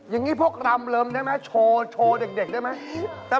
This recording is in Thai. อย่างนี้พวกรำได้ไหมโชว์เด็กได้ไหม